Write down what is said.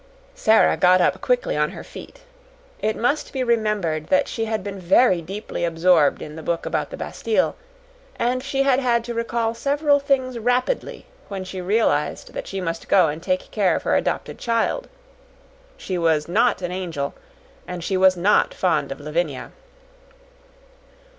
Sara got up quickly on her feet. It must be remembered that she had been very deeply absorbed in the book about the Bastille, and she had had to recall several things rapidly when she realized that she must go and take care of her adopted child. She was not an angel, and she was not fond of Lavinia.